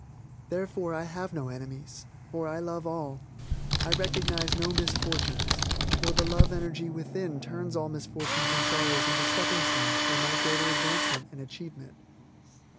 Therefore I have no enemies, for I love all. I recognize no misfortunes, for the love energy within turns all misfortunes and sorrows into stepping stones for my greater advancement and achievement.